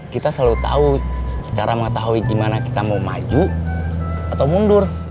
kita selalu tahu cara mengetahui gimana kita mau maju atau mundur